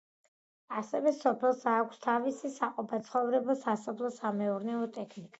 ასევე სოფელს აქვს თავისი საყოფაცხოვრებო და სასოფლო-სამეურნეო ტექნიკა.